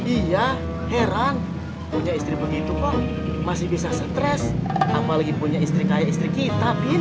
iya heran punya istri begitu kok masih bisa stres apalagi punya istri kaya istri kita